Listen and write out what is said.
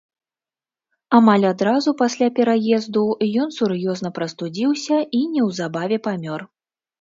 Амаль адразу пасля пераезду ён сур'ёзна прастудзіўся і неўзабаве памёр.